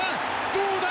どうだ？